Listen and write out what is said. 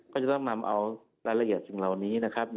ก็จะต้องเอารายละเอียดเหล่านี้